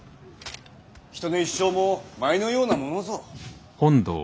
人の一生も舞のようなものぞ。